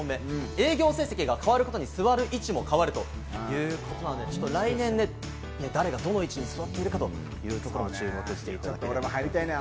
営業成績が変わることに座る位置も変わるということなんで、来年ね、誰がどの位置に座っているかというところも注目していただければと思います。